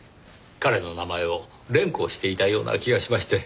彼の名前を連呼していたような気がしまして。